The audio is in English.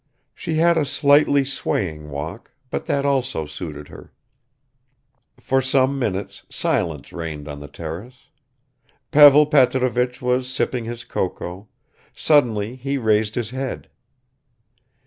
She had a slightly swaying walk, but that also suited her. For some minutes silence reigned on the terrace. Pavel Petrovich was sipping his cocoa; suddenly he raised his head.